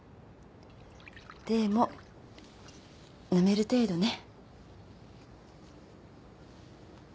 でもなめる程度ね。